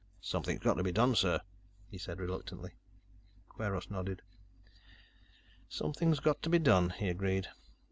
"Something's got to be done, sir," he said reluctantly. Kweiros nodded. "Something's got to be done," he agreed.